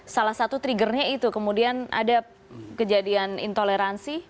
salah satu triggernya itu kemudian ada kejadian intoleransi